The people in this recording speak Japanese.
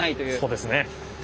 そうですね。